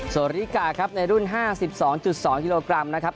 นาฬิกาครับในรุ่น๕๒๒กิโลกรัมนะครับ